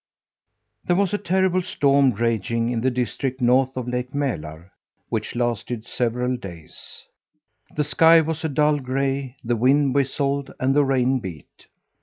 There was a terrible storm raging in the district north of Lake Mälar, which lasted several days. The sky was a dull gray, the wind whistled, and the rain beat.